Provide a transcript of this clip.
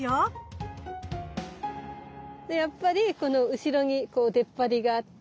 でやっぱりこの後ろにこう出っ張りがあって。